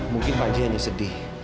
mungkin panji hanya sedih